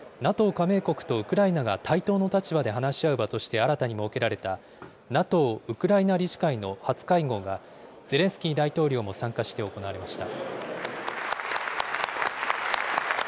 加盟国とウクライナが対等の立場で話し合う場として新たに設けられたＮＡＴＯウクライナ理事会の初会合が、ゼレンスキー大統領も参加して行われました。